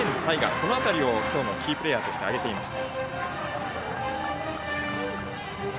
この辺りを今日のキープレーヤーとして挙げていました。